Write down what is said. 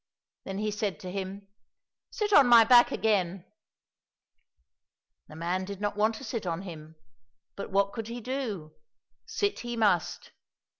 Then he said to him, " Sit on my back again !" The man did not want to sit on him, but what could he do ? Sit he must.